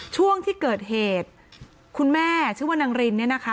ช่วงที่เกิดเหตุคุณแม่ชื่อว่านางรินเนี่ยนะคะ